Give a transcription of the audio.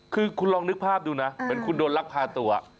คือคุณลองนึกภาพดูนะเหมือนคุณโดนลักพาตัว